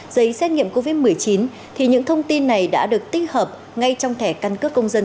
giấy xét nghiệm covid một mươi chín thì những thông tin này đã được tích hợp ngay trong thẻ căn cước công dân